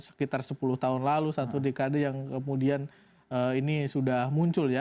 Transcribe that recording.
sekitar sepuluh tahun lalu satu dekade yang kemudian ini sudah muncul ya